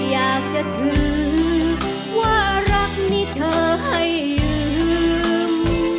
อยากจะถึงว่ารักนี่เธอให้ลืม